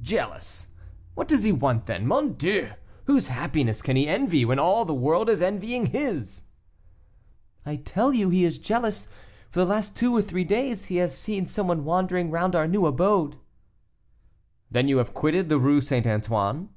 "Jealous! What does he want then? mon Dieu! whose happiness can he envy, when all the world is envying his?" "I tell you he is jealous; for the last two or three days he has seen some one wandering round our new abode." "Then you have quitted the Rue St. Antoine?"